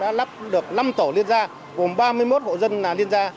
đã lắp được năm tổ liên gia gồm ba mươi một hộ dân liên gia